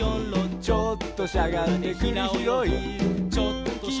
「ちょっとしゃがんでくりひろい」